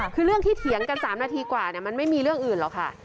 คือเรื่องที่เถียงกัน๓นาทีกว่ามันไม่มีเรื่องอื่นหรอกค่ะ